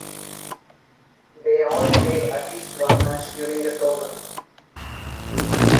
They all played at least one match during the tournament.